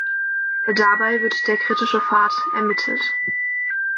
Dabei wird der "kritische Pfad" ermittelt.